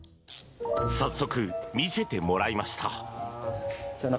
早速見せてもらいました。